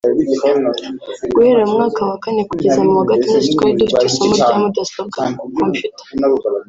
Guhera mu mwaka wa kane kugeza mu wa gatandatu twari dufite isomo rya mudasobwa (Computer)